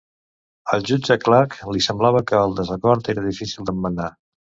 El jutge Clark li semblava que el desacord era difícil d'emmenar.